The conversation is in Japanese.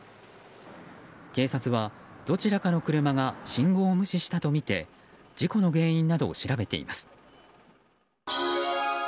警察は、どちらかの車が信号を無視したとみて事故の原因などを調べています。